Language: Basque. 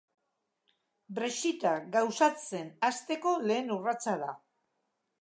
Brexita gauzatzen hasteko lehen urratsa da.